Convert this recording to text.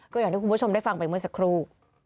คุณผู้ชมได้ฟังไปเมื่อสักครู่